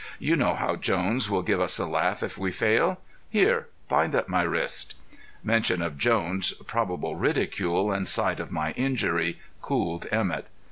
You know how Jones will give us the laugh if we fail. Here, bind up my wrist." Mention of Jones' probable ridicule and sight of my injury cooled Emett.